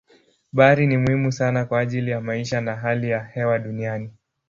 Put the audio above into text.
Bahari ni muhimu sana kwa ajili ya maisha na hali ya hewa duniani.